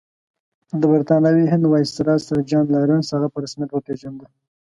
د برټانوي هند ویسرا سر جان لارنس هغه په رسمیت وپېژانده.